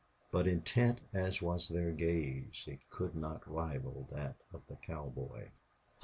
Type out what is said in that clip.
But intent as was their gaze, it could not rival that of the cowboy.